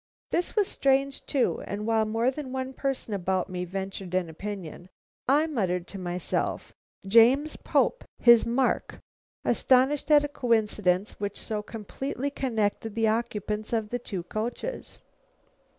This was strange too, and while more than one person about me ventured an opinion, I muttered to myself, "James Pope, his mark!" astonished at a coincidence which so completely connected the occupants of the two coaches.